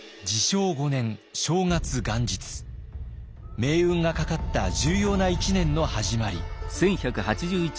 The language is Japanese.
命運がかかった重要な一年の始まり。